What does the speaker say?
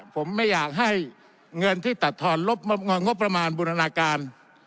ผมไม่อยากให้เงินที่ตัดทอนลบงบประมาณบูรณาการ